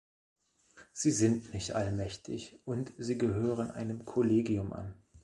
Sie sind nicht allmächtig, und Sie gehören einem Kollegium an.